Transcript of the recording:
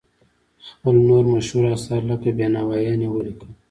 خپل نور مشهور اثار لکه بینوایان یې ولیکل.